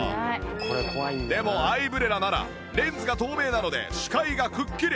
でもアイブレラならレンズが透明なので視界がくっきり